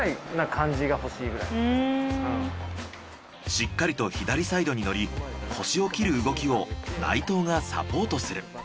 しっかりと左サイドに乗り腰を切る動きを内藤がサポートする。